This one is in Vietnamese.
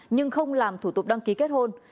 nhưng không làm thủ tục đăng ký kết hôn